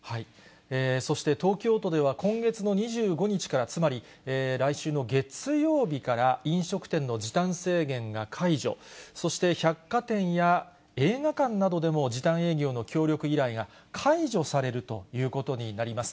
そして、東京都では今月の２５日から、つまり来週の月曜日から、飲食店の時短制限が解除、そして百貨店や映画館などでも時短営業の協力依頼が解除されるということになります。